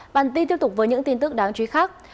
bản tin tiếp tục với những tin tức đáng chú ý khác